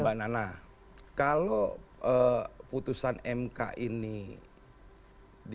mbak nana kalau putusan mk ini di